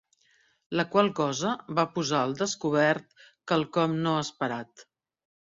La qual cosa va posar al descobert quelcom no esperat.